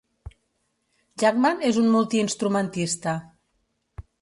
Jackman és un multi-instrumentista.